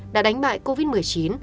đã đánh bại covid một mươi chín